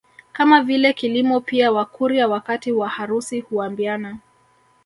Kama vile kilimo pia Wakurya wakati wa harusi huambiana